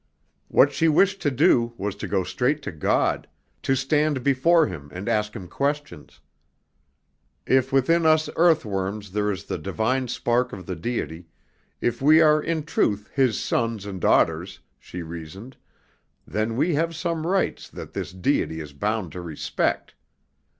What she wished to do was to go straight to God, to stand before Him and ask him questions. If within us earthworms there is the Divine Spark of the Deity, if we are in truth His sons and daughters, she reasoned, then we have some rights that this Deity is bound to respect.